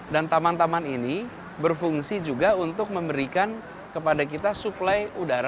dan taman taman ini berfungsi juga untuk memberikan kepada kita suplai udara